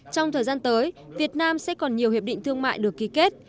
trong thời gian tới việt nam sẽ còn nhiều hiệp định thương mại được ký kết